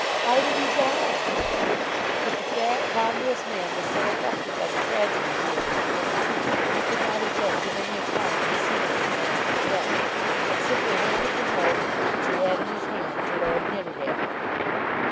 How did he die?" But the fat, ponderous man was so affected by the tragedy he had witnessed, that he could not as yet give any account of the scene of his master's death, but simply handed the note which he had in his hand to Lord Nidderdale.